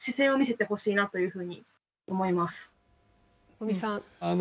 尾身さん。